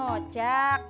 dom will kena pang up